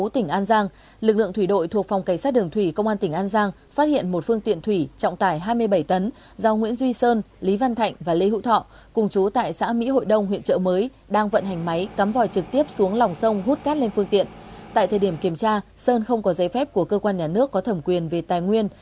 trong thời điểm kiểm tra sơn không có giấy phép của cơ quan nhà nước có thẩm quyền về tài nguyên